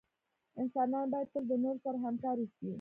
انسانان باید تل دنورو سره همکار اوسې